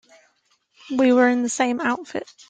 We were in the same outfit.